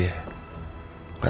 gak seperti orang gila